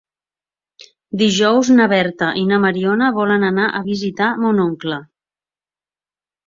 Dijous na Berta i na Mariona volen anar a visitar mon oncle.